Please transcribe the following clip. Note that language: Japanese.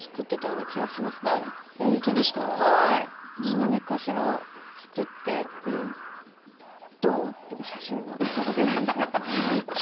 何かしら作って「どう？」って写真が届きます。